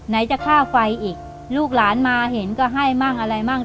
ไหนจะค่าไฟอีกลูกหลานมาเห็นก็ให้มั่งอะไรมั่ง